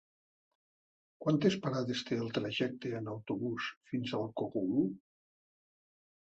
Quantes parades té el trajecte en autobús fins al Cogul?